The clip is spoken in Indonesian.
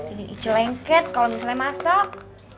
ini ici lengket kalau misalnya masak